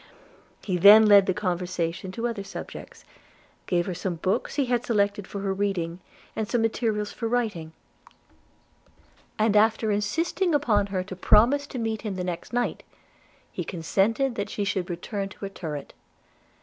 He then led the conversation to other subjects, gave her some books he had selected for her reading, and some materials for writing; and, after insisting upon her promise to meet him the next night, he consented that she should return to her turret.